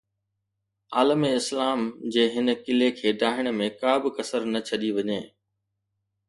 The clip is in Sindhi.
عالم اسلام جي هن قلعي کي ڊاهڻ ۾ ڪا به ڪسر نه ڇڏي وڃي